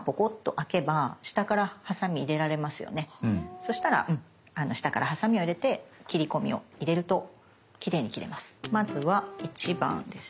そしたら下からハサミを入れて切り込みを入れるときれいに切れます。